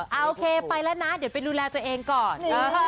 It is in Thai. โอเคไปแล้วนะเดี๋ยวไปดูแลตัวเองก่อน